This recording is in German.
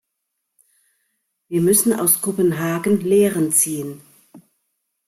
Wie müssen aus Kopenhagen Lehren ziehen.